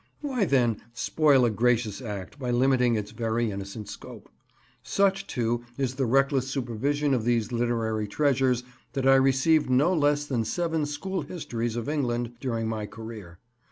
Why, then, spoil a gracious act by limiting its very innocent scope. Such, too, is the reckless supervision of these literary treasures that I received no less than seven school histories of England during my career.